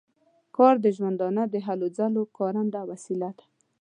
کار د ژوندانه د هلو ځلو کارنده وسیله ده.